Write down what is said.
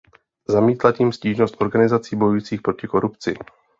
Zamítla tím stížnost organizací bojujících proti korupci.